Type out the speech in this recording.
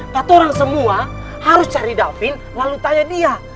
katanya semua harus cari david lalu tanya dia